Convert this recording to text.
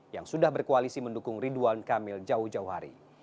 yang sudah berkoalisi mendukung ridwan kamil jauh jauh hari